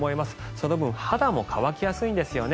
その分肌も乾きやすいんですよね。